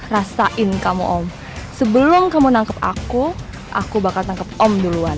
rasain kamu om sebelum kamu nangkep aku aku bakal tangkep om duluan